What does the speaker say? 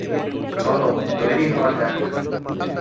চলো, তৈরী হওয়া যাক।